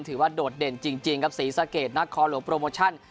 ถือว่าโดดเด่นจริงจริงครับศรีสะเกดนักคอโหลกโปรโมชั่น